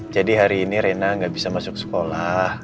jadi hari ini rina gak bisa masuk sekolah